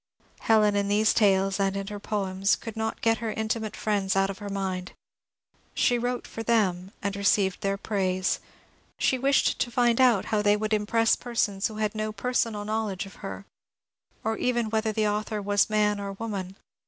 Helen in these tales and in her poems could not get her intimate friends out of her mind : she wrote for them and re ceived their praise. She wished to find out how they would impress persons who had no personal knowledge of her, or even whether the author was man or woman.